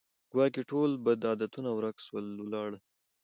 ګواکي ټول بد عادتونه ورک سول ولاړه